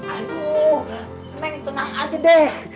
aduh senang tenang aja deh